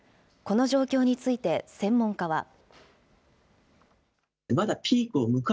この状況について、専門家は。